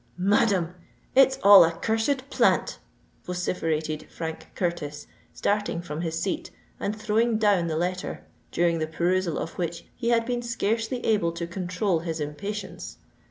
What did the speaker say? "Madam, it's all a cursed plant!" vociferated Frank Curtis, starting from his seat, and throwing down the letter, during the perusal of which he had been scarcely able to control his impatience.